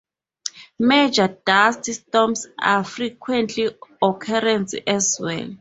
Major dust storms are a frequent occurrence, as well.